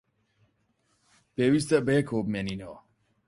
پێویستە بەیەکەوە بمێنینەوە.